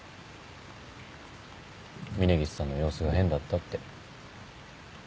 峰岸さんの様子が変だったって。